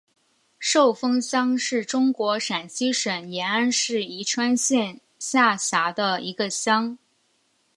寿峰乡是中国陕西省延安市宜川县下辖的一个乡。